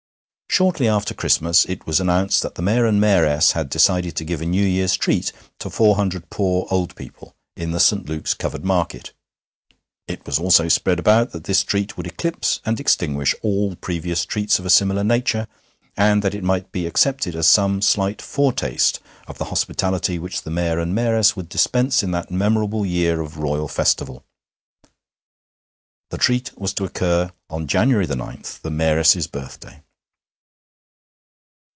Shortly after Christmas it was announced that the Mayor and Mayoress had decided to give a New Year's treat to four hundred poor old people in the St. Luke's covered market. It was also spread about that this treat would eclipse and extinguish all previous treats of a similar nature, and that it might be accepted as some slight foretaste of the hospitality which the Mayor and Mayoress would dispense in that memorable year of royal festival. The treat was to occur on January 9, the Mayoress's birthday.